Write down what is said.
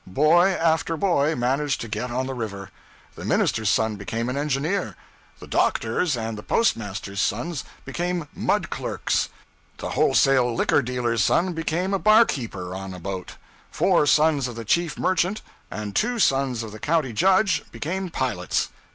Boy after boy managed to get on the river. The minister's son became an engineer. The doctor's and the post master's sons became 'mud clerks;' the wholesale liquor dealer's son became a barkeeper on a boat; four sons of the chief merchant, and two sons of the county judge, became pilots.